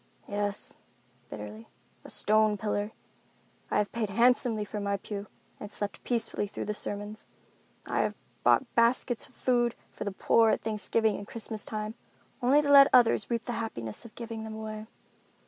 "Yes," bitterly, "a stone pillar. I have paid handsomely for my pew, and slept peacefully through the sermons. I have bought baskets of food for the poor at Thanksgiving and Christmas time, only to let others reap the happiness of giving them away.